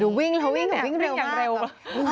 ดูวิ่งแล้ววิ่งเร็ว